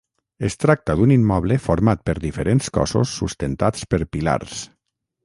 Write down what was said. Es tracta d'un immoble format per diferents cossos sustentats per pilars.